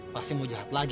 pasti mau jahat lagi